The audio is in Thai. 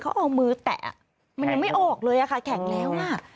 เขาเอามือแตะมันยังไม่ออกเลยค่ะแข็งแล้วอ่ะ